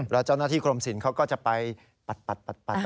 แล้วเจ้าหน้าที่กรมศิลปเขาก็จะไปปัด